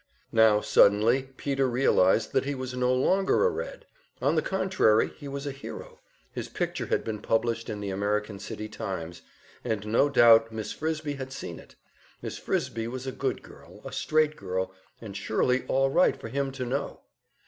Now suddenly Peter realized that he was no longer a Red! On the contrary, he was a hero, his picture had been published in the American City "Times," and no doubt Miss Frisbie had seen it. Miss Frisbie was a good girl, a straight girl, and surely all right for him to know!